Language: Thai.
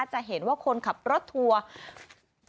จะเห็นว่าคนขับรถทัวร์